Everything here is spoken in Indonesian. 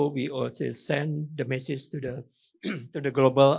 kami juga mengirim pesan kepada global